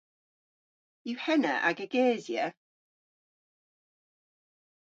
Yw henna aga gesya?